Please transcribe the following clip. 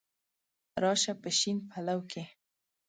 را شه په شین پلو کي